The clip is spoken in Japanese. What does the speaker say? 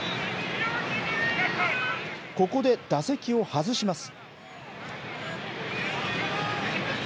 ここで打席を外します。